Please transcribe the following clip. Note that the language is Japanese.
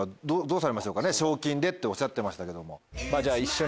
「賞金で」っておっしゃってましたけども。